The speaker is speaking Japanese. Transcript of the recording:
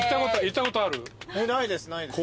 ないですないです。